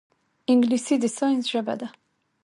انګلیسي د ساینس ژبه ده